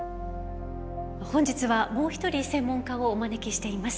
本日はもう一人専門家をお招きしています。